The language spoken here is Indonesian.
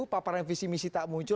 paparan visi misi tak muncul